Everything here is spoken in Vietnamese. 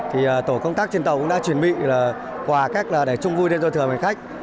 thì tổ công tác trên tàu cũng đã chuẩn bị quà cách để chung vui đêm giao thừa với hành khách